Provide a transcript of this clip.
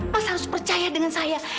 pas harus percaya dengan saya